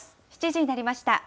７時になりました。